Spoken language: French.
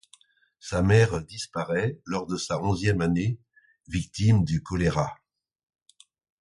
Sa mère disparaît lors de sa onzième année, victime du choléra.